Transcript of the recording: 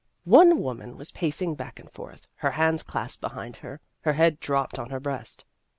One woman was pacing back and forth, her hands clasped behind her, her head dropped on her breast.